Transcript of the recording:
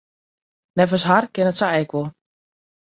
Neffens har kin it sa ek wol.